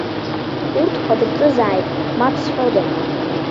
Урҭқәа дырҿызааит, мап зҳәода.